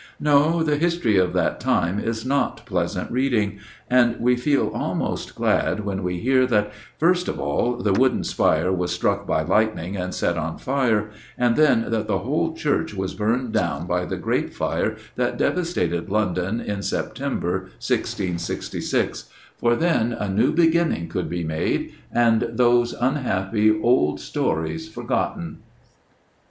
No, the history of that time is not pleasant reading; and we feel almost glad when we hear that, first of all, the wooden spire was struck by lightning, and set on fire, and then that the whole church was burned down by the Great Fire that devastated London in September, 1666; for then a new beginning could be made, and those unhappy old stories forgotten.